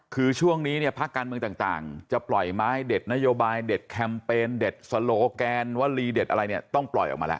คือช่วงนี้เนี่ยพักการเมืองต่างจะปล่อยไม้เด็ดนโยบายเด็ดแคมเปญเด็ดสโลแกนว่าลีเด็ดอะไรเนี่ยต้องปล่อยออกมาแล้ว